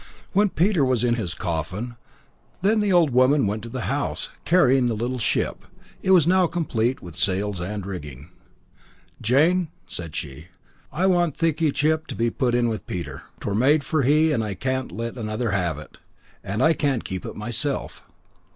When Peter was in his coffin, then the old woman went to the house, carrying the little ship. It was now complete with sails and rigging. "Jane," said she, "I want thickey ship to be put in with Peter. 'Twere made for he, and I can't let another have it, and I can't keep it myself."